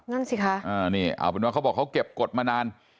นั่นสิคะนี่เอาเป็นว่าเขาบอกเขาเก็บกฎมานาน